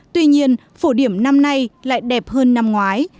tuy nhiên phổ điểm năm nay lại đẹp hơn năm ngoái